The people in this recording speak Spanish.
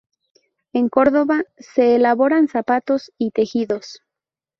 En Córdoba se elaboraban zapatos y tejidos.